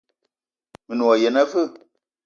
Me ne wa yene aveu?